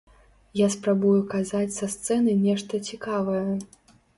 Я спрабую казаць са сцэны нешта цікавае.